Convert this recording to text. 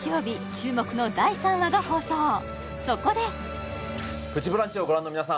注目の第３話が放送そこで「プチブランチ」をご覧の皆さん